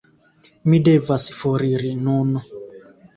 Mi devas foriri nun.